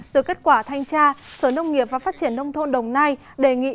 từ kết quả thanh tra sở nông nghiệp và phát triển nông thôn đồng nai đề nghị